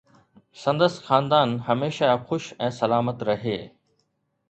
سندس خاندان هميشه خوش ۽ سلامت رهي